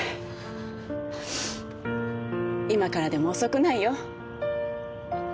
今からでも遅くないよ。